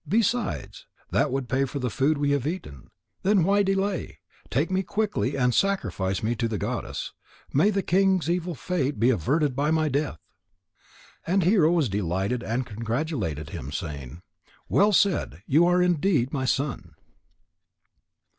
Besides, that would pay for the food we have eaten. Why then delay? Take me quickly and sacrifice me to the goddess. May the king's evil fate be averted by my death!" And Hero was delighted and congratulated him, saying: "Well said! You are indeed my son."